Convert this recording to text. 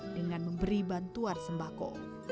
dengan memberi bantuan sembako